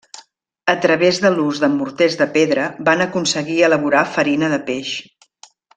A través de l'ús de morters de pedra van aconseguir elaborar farina de peix.